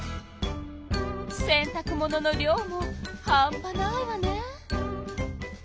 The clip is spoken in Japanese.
洗たく物の量も半ぱないわね。